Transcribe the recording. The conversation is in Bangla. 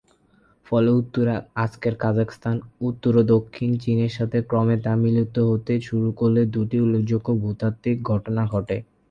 ফলে উত্তরে আজকের কাজাখস্তান, উত্তর ও দক্ষিণ চীনের সাথে ক্রমে তা মিলিত হতে শুরু করলে দু'টি উল্লেখযোগ্য ভূতাত্ত্বিক ঘটনা ঘটে।